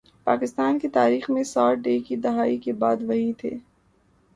پاکستان کی تاریخ میں ساٹھ کی دہائی کے بعد، وہی تھے۔